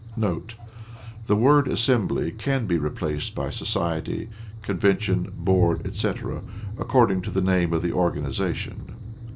* [The word Assembly can be replaced by Society, Convention, Board, etc., according to the name of the organization.